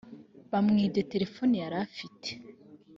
bamwibye telefone yarafite